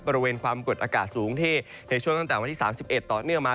บริเวณความกดอากาศสูงที่ในช่วงตั้งแต่วันที่๓๑ต่อเนื่องมา